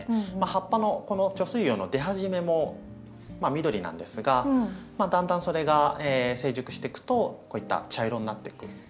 葉っぱのこの貯水葉の出始めも緑なんですがだんだんそれが成熟してくとこういった茶色になっていくと。